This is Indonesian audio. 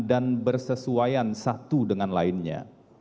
dan bersesuaian satu dengan lainnya